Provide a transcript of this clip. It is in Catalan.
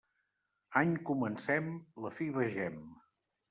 Any comencem, la fi vegem.